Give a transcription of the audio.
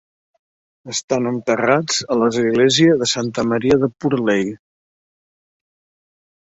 Estan enterrats a l'església de Santa Maria de Purley.